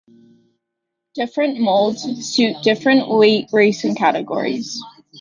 Different molds suit different weight racing categories.